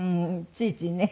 ついついね。